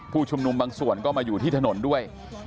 ผู้ชุมนุมบางส่วนก็มาอยู่ที่ถนนด้วย